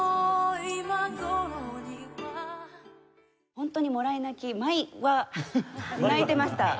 ホントにもらい泣き毎話泣いてました。